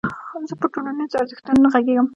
زه پر ټولنيزو ارزښتونو نه غږېږم.